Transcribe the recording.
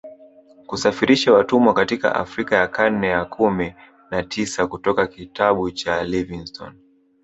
Kusafirisha watumwa katika Afrika ya karne ya kumi na tisa kutoka kitabu cha Livingstone